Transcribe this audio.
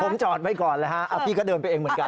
ผมจอดไว้ก่อนแล้วฮะพี่ก็เดินไปเองเหมือนกัน